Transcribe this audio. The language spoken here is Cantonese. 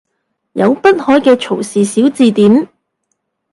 有北海嘅曹氏小字典